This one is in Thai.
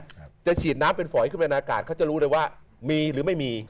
ครับจะฉีดน้ำเป็นฝอยขึ้นไปในอากาศเขาจะรู้เลยว่ามีหรือไม่มี